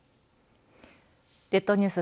列島ニュース